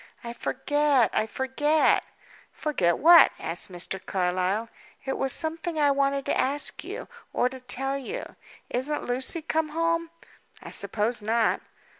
"I forget! I forget!" "Forget what?" asked Mr. Carlyle. "It was something I wanted to ask you, or to tell you. Isn't Lucy come home?" "I suppose not."